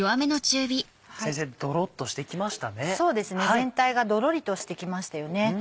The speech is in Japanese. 全体がどろりとしてきましたよね。